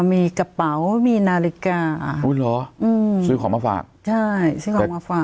มีกระเป๋ามีนาฬิกาอุ้ยเหรออืมซื้อของมาฝากใช่ซื้อของมาฝาก